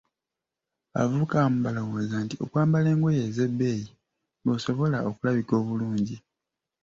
Abavubuka abamu balowooza nti okwambala engoye ez‘ebbeeyi lw'osobola okulabika obulungi!